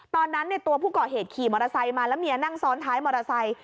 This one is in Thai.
ตัวผู้ก่อเหตุขี่มอเตอร์ไซค์มาแล้วเมียนั่งซ้อนท้ายมอเตอร์ไซค์